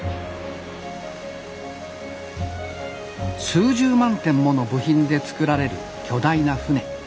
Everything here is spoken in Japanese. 数十万点もの部品で造られる巨大な船。